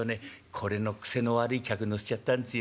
これの癖の悪い客乗せちゃったんすよ。